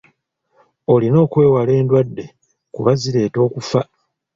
Olina okwewala endwadde kuba zireeta okufa.